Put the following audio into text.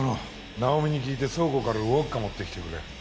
奈緒美に聞いて倉庫からウォッカ持ってきてくれ。